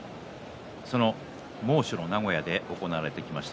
その猛暑の名古屋で行われてきました